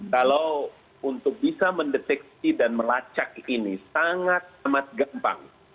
kalau untuk bisa mendeteksi dan melacak ini sangat amat gampang